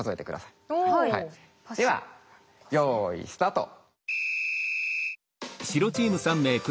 ではよいスタート！